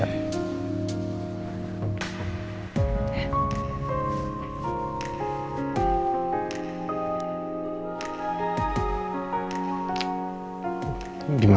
ya udah kita bisa